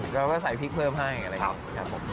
เราก็ใส่พริกเพิ่มให้อะไรแบบนี้ครับ